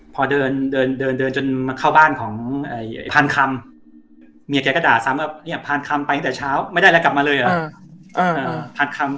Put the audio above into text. พอเดินเดินจนมาเข้าบ้านของพานคำเมียแกก็ด่าซ้ำว่าเนี่ยพานคำไปตั้งแต่เช้าไม่ได้แล้วกลับมาเลยเหรอ